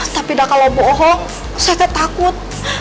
tapi kalau tak bohong saya tak takut